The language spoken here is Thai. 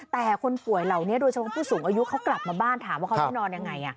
แต่คนป่วยเหล่านี้โดยเฉพาะผู้สูงอายุเขากลับมาบ้านถามว่าเขาจะนอนยังไง